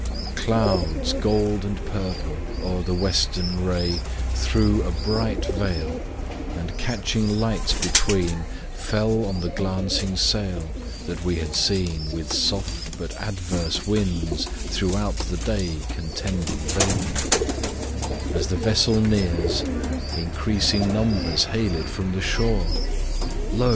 CLOUDS, gold and purple, o'er the western ray Threw a bright veil, and catching lights between, Fell on the glancing sail, that we had seen With soft, but adverse winds, throughout the day Contending vainly: as the vessel nears, Increasing numbers hail it from the shore; Lo!